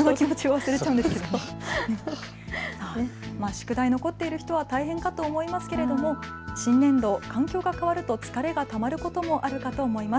宿題、残っている人は大変だと思いますが新年度、環境が変わると疲れがたまることもあるかと思います。